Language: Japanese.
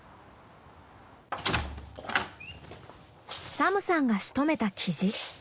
サムさんがしとめたキジ。